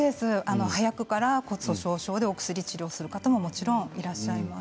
早くから骨粗しょう症で治療する方もいらっしゃいます。